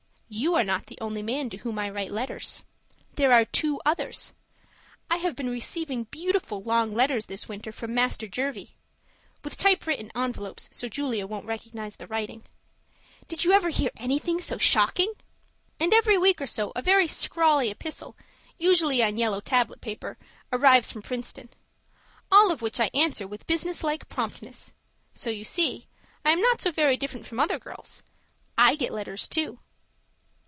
You are not the only man to whom I write letters. There are two others! I have been receiving beautiful long letters this winter from Master Jervie (with typewritten envelopes so Julia won't recognize the writing). Did you ever hear anything so shocking? And every week or so a very scrawly epistle, usually on yellow tablet paper, arrives from Princeton. All of which I answer with business like promptness. So you see I am not so different from other girls I get letters, too.